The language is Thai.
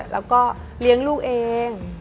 แล้วก็เลี้ยงลูกเอง